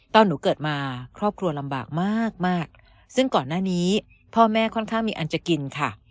ตอนหนูเกิดมาครอบครัวลำบากมากมากซึ่งก่อนหน้านี้พ่อแม่ค่อนข้างมีอันจะกินค่ะ